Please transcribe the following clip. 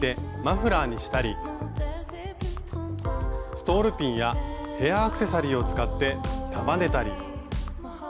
ストールピンやヘアアクセサリーを使って束ねたり。